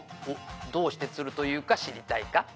「おっどうして都留というか知りたいか？」